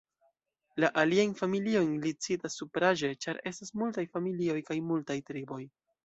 La aliajn familiojn li citas supraĵe, ĉar estas multaj familioj kaj multaj triboj.